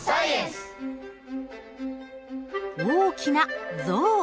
大きな象。